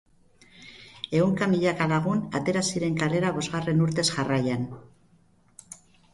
Ehunka milaka lagun atera ziren kalera bosgarren urtez jarraian.